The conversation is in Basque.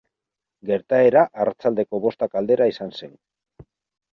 Gertaera arratsaldeko bostak aldera izan zen.